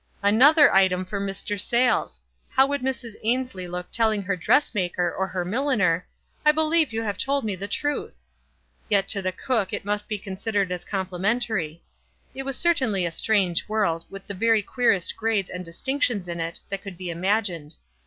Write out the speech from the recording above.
Another item for Mr. Sayles ! How would Mrs. Ainslie look telling her dressmaker or her milliner, "I believe you have told me the truth !" Yet to the cook it must be considered as compli mentary. It was certainly a strange world, with the very queerest grades and distinctions in it that could be imagined.